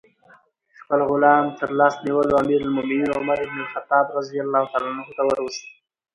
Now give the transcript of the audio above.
خپل غلام ترلاس نیولی امیر المؤمنین عمر بن الخطاب ته وروست.